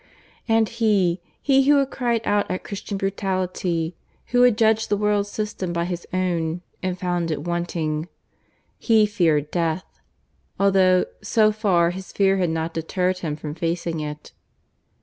And he he who had cried out at Christian brutality, who had judged the world's system by his own and found it wanting he feared death; although, so far his fear had not deterred him from facing it.